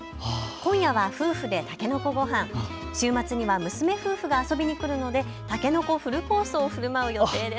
今夜は夫婦でたけのこごはん、週末には娘夫婦が遊びに来るのでたけのこフルコースをふるまう予定です。